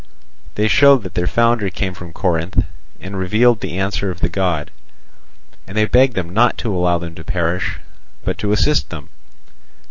They showed that their founder came from Corinth, and revealed the answer of the god; and they begged them not to allow them to perish, but to assist them.